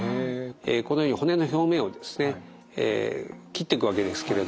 このように骨の表面をですね切っていくわけですけれども。